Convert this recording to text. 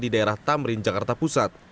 di daerah tamrin jakarta pusat